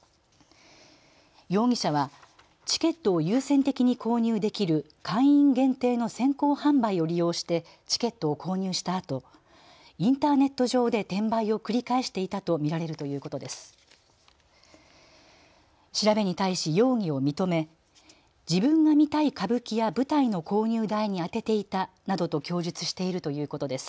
容疑者はチケットを優先的に購入できる会員限定の先行販売を利用してチケットを購入したあとインターネット上で転売を繰り返していたと見られるということです。